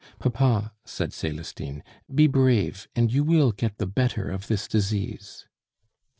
"Papa," said Celestine, "be brave, and you will get the better of this disease."